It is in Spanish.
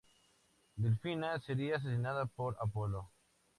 Delfina sería asesinada por Apolo.